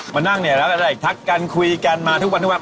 มานั่งเนี่ยแล้วก็ได้ทักกันคุยกันมาทุกวันทุกวัน